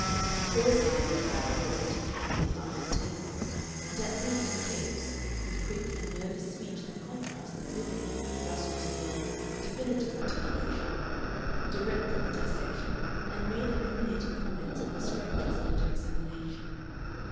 There was a couple of blackboards at each end of the aisle of tables, and at these Capes, with quick and nervous speech that contrasted vividly with Russell's slow, definitive articulation, directed the dissection and made illuminating comments on the structures under examination.